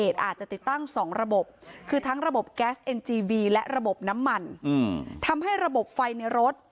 ทำให้ระบบไฟในรถ